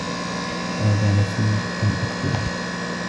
ماذا نسيت أن أكتبه؟